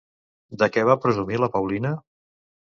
De què va presumir la Paulina?